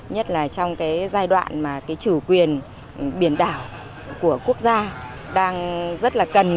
nhất là trong cái giai đoạn mà cái chủ quyền biển đảo của quốc gia đang rất là cần